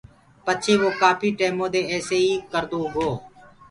پڇي وو ڪآڦي ٽيمودي ايسي ئي ڪردو گو۔